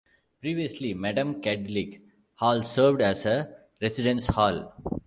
Previously Madame Cadillac Hall served as a residence hall.